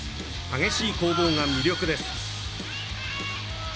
激しい攻防が魅力です。